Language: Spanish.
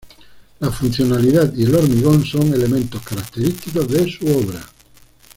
La funcionalidad y el hormigón son elementos característicos de su obra.